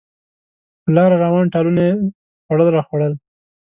په لاره روان، ټالونه یې خوړل راخوړل.